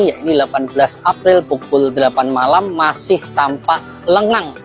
yakni delapan belas april pukul delapan malam masih tampak lengang